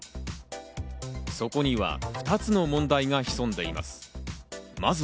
そこには２つの問題が潜んでいます。